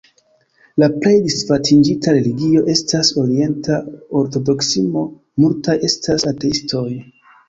La plej disvastiĝinta religio estas orienta ortodoksismo, multaj estas ateistoj.